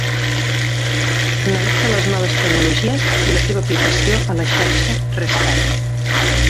Analitza les noves tecnologies i la seva aplicació a la xarxa Rescat.